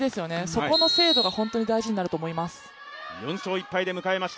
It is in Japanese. そこの精度が本当に大事になると思います。